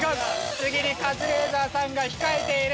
次にカズレーザーさんが控えている。